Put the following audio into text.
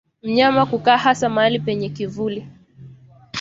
Mnyama kukaa hasa mahali penye kivuli